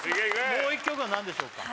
もう一曲は何でしょうか？